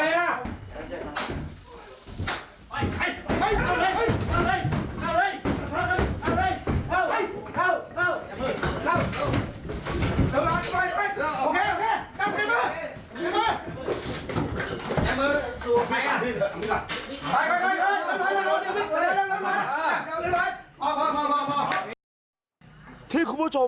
สวัสดีครับทุกคน